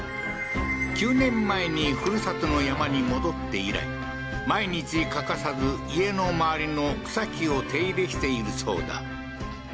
９年前に、ふるさとの山に戻って以来、毎日欠かさず、家の周りの草木を手入れしているそうだ。